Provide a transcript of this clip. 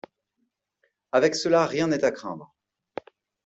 Avec cela rien n'est à craindre.